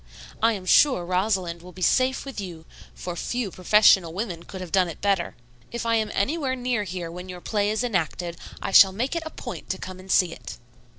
"I am sure Rosalind will be safe with you, for few professional women could have done better. If I am anywhere near here when your play is enacted, I shall make it a point to come and see it."